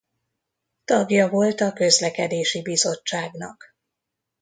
Tagja volt a közlekedési bizottságnak.